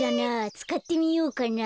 つかってみようかな。